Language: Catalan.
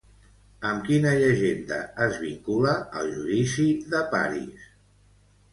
Amb quina llegenda es vincula el Judici de Paris?